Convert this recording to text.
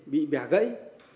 bị bẻ gãy